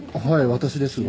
私ですが。